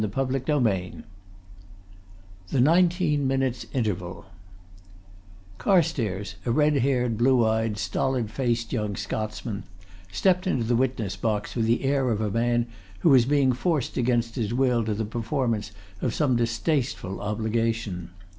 CHAPTER XI THE NINETEEN MINUTES' INTERVAL Carstairs, a red haired, blue eyed, stolid faced young Scotsman, stepped into the witness box with the air of a man who is being forced against his will to the performance of some distasteful obligation.